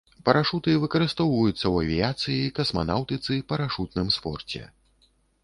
Парашуты выкарыстоўваюцца ў авіяцыі, касманаўтыцы, парашутным спорце.